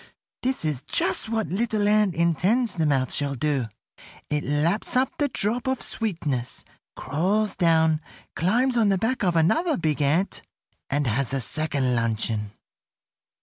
This is just what Little Ant intends the mouth shall do. It laps up the drop of sweetness, crawls down, climbs on the back of another big ant, and has a second luncheon.